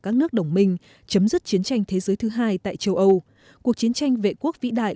các nước đồng minh chấm dứt chiến tranh thế giới thứ hai tại châu âu cuộc chiến tranh vệ quốc vĩ đại